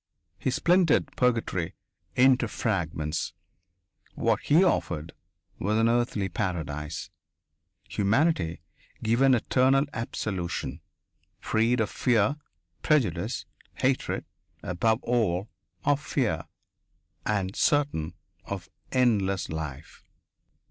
He splintered purgatory into fragments; what he offered was an earthly paradise humanity given eternal absolution, freed of fear, prejudice, hatred above all, of fear and certain of endless life.